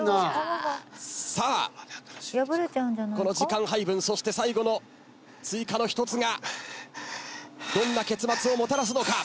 さあこの時間配分そして最後の追加の１つがどんな結末をもたらすのか。